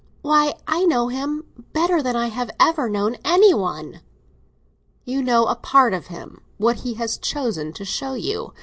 "Why, I know him—better than I have ever known any one!" "You know a part of him—what he has chosen to show you.